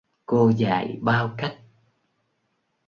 Cô dạy bao cách